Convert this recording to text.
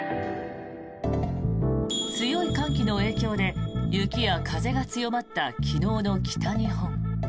強い寒気の影響で雪や風が強まった昨日の北日本。